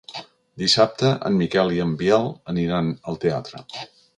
Dissabte en Miquel i en Biel aniran al teatre.